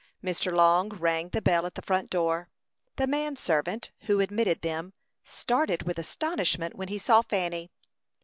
Mr. Long rang the bell at the front door. The man servant, who admitted them, started with astonishment when he saw Fanny.